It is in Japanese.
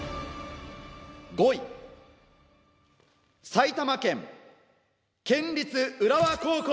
埼玉県県立浦和高校